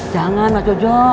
jangan mas jojo